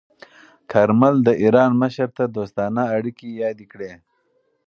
کارمل د ایران مشر ته دوستانه اړیکې یادې کړې.